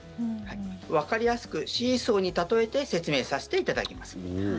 わかりやすくシーソーに例えて説明させていただきます。